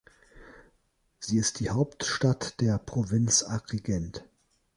Sie ist die Hauptstadt der Provinz Agrigent.